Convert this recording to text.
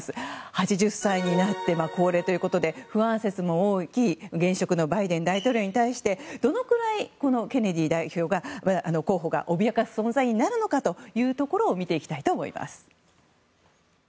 ８０歳になって高齢ということで不安説も多い現職のバイデン大統領に対してどのくらいケネディ候補が脅かす存在になるのかを見ていきたいと思います。